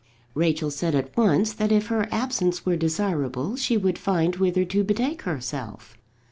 Rachel said at once that if her absence were desirable she would find whither to betake herself.